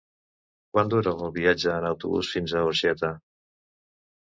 Quant dura el viatge en autobús fins a Orxeta?